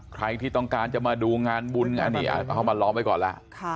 ใครที่ต้องการจะมาดูงานบุญอันนี้เขามาล้อมไว้ก่อนแล้ว